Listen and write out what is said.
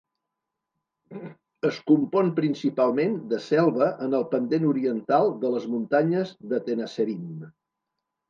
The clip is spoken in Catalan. Es compon principalment de selva en el pendent oriental de les muntanyes de Tenasserim.